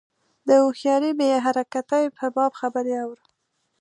د هوښیاري بې حرکتۍ په باب خبرې اورو.